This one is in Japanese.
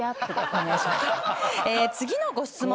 次のご質問。